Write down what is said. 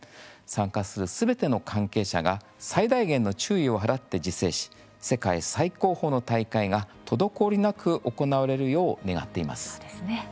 参加するすべての関係者が最大限の注意を払って自制し世界最高峰の大会が滞りなく行われるよう願っています。